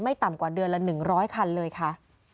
ต่ำกว่าเดือนละ๑๐๐คันเลยค่ะ